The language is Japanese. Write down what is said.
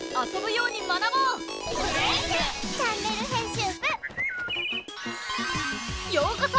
ようこそ！